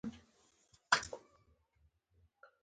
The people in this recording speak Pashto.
د وخت ارزښت څه دی؟